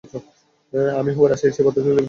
আমিই হবো রাশিয়ার সেই প্রতাপশালী ভাল্লুক!